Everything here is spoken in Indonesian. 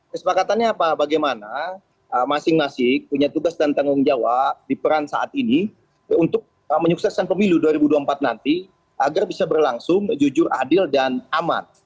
kesepakatannya apa bagaimana masing masing punya tugas dan tanggung jawab di peran saat ini untuk menyukseskan pemilu dua ribu dua puluh empat nanti agar bisa berlangsung jujur adil dan aman